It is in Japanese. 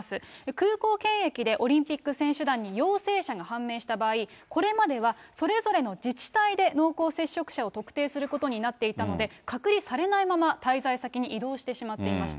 空港検疫でオリンピック選手団に陽性者が判明した場合、これまではそれぞれの自治体で濃厚接触者を特定することになっていたので、隔離されないまま滞在先に移動してしまっていました。